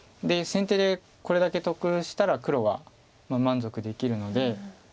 で先手でこれだけ得したら黒はまあ満足できるので。